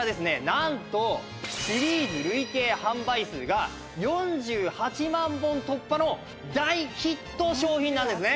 なんとシリーズ累計販売数が４８万本突破の大ヒット商品なんですね。